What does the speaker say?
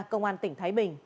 cơ quan tỉnh thái bình